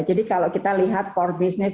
jadi kalau kita lihat core business